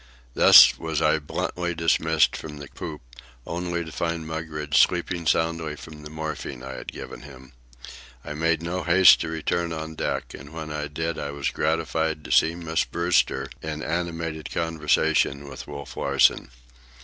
Thus was I bluntly dismissed from the poop, only to find Mugridge sleeping soundly from the morphine I had given him. I made no haste to return on deck, and when I did I was gratified to see Miss Brewster in animated conversation with Wolf Larsen.